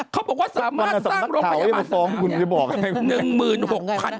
เขาบอกว่าสามารถสร้างโรงพยาบาล